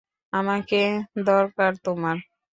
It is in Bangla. আমাকে দরকার তোমার।